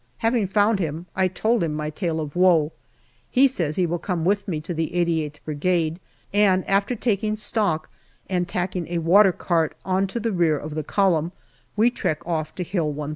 Having found him, I told him my tale of woe ; he says he will come with me to the 88th Brigade ; and after taking stock and tacking a watercart on to the rear of the column, we trek off to Hill 138.